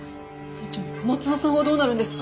じゃあ松田さんはどうなるんですか？